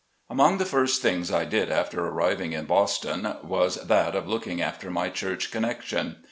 |MONG the first things I did after arriving in Boston, was that of looking after my church connection.